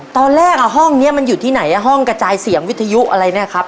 ตอนแรกห้องนี้มันอยู่ที่ไหนห้องกระจายเสียงวิทยุอะไรเนี่ยครับ